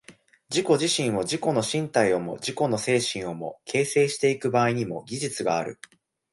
自己自身を、自己の身体をも自己の精神をも、形成してゆく場合にも、技術がある。